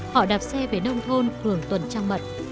họ đạp xe về nông thôn hưởng tuần trang mật